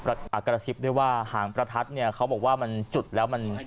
กระซิบด้วยว่าหางประทัดเนี่ยเขาบอกว่ามันจุดแล้วมัน